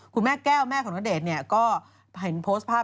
คุณแม่แก้วแม่ของณเดชน์เนี่ยก็เห็นโพสต์ภาพ